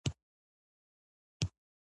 باز خپل ښکار تل وژغوري